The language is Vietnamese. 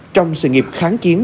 trong sự nghiệp kháng chiến